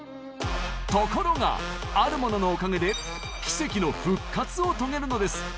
ところがあるもののおかげで奇跡の復活を遂げるのです！